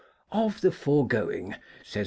Of the foregoing, says M.